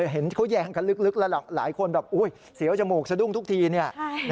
เห็นเขาแยงกันลึกแล้วหลายคนแบบอุ๊ยเสียวจมูกสะดุ้งทุกทีเนี่ย